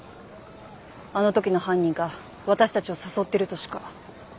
あの時の犯人が私たちを誘ってるとしか。